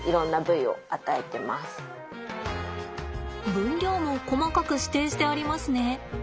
分量も細かく指定してありますね。